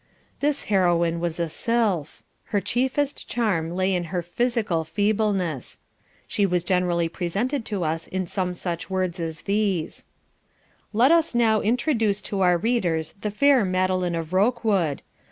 This Heroine was a sylph. Her chiefest charm lay in her physical feebleness. She was generally presented to us in some such words as these: "Let us now introduce to our readers the fair Madeline of Rokewood.